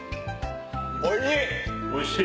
おいしい！